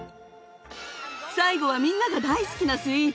最後はみんなが大好きなスイーツ！